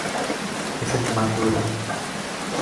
Es el más duro.